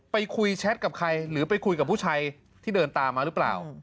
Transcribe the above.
ไปคุยแชทกับใครหรือไปคุยกับผู้ชายที่เดินตามมาหรือเปล่า